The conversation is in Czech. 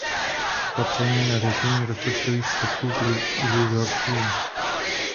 Opatření na řešení rozpočtových schodků krizi zhoršují.